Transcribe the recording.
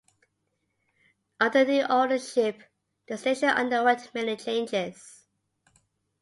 Under new ownership, the station underwent many changes.